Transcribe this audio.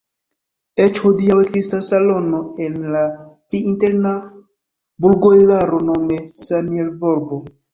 Eĉ hodiaŭ ekzistas salono en la pli interna burgoeraro nome "Samielvolbo".